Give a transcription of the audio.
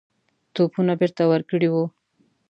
توپونه بیرته ورکړي وه.